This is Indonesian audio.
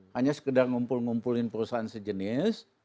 hanya sekedar ngumpul ngumpulin perusahaan sejenis